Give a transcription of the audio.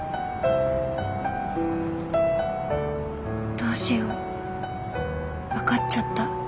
どうしよう分かっちゃった。